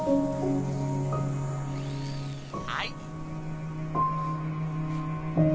はい。